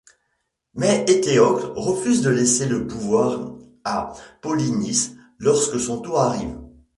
Mais Étéocle refuse de laisser le pouvoir à Polynice lorsque son tour arrive.